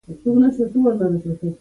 له ډېره وخته یې کاروبار اغېزمن شوی دی